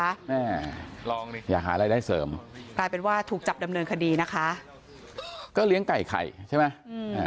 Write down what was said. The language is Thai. แม่ลองดิอย่าหารายได้เสริมกลายเป็นว่าถูกจับดำเนินคดีนะคะก็เลี้ยงไก่ไข่ใช่ไหมอืมอ่า